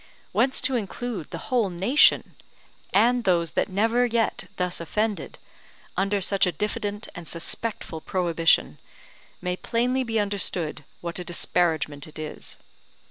Whence to include the whole nation, and those that never yet thus offended, under such a diffident and suspectful prohibition, may plainly be understood what a disparagement it is.